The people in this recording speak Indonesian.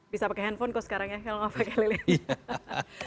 bisa pakai handphone kok sekarang ya kalau nggak pakai lilin